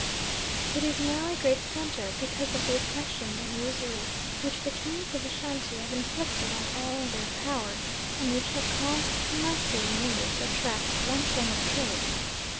It is not now a great centre; because of the oppression and usury which the Kings of Ashantee have inflicted on all in their power, and which have caused Coomassie mainly to attract one form of trade, viz.